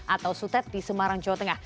atau sutet di semarang jawa tengah